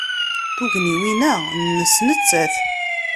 Tugniwin-a nnes nettat.